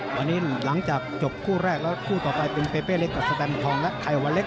วันนี้หลังจากจบคู่แรกแล้วคู่ต่อไปเป็นเปเป้เล็กกับสแตมทองและไข่วันเล็ก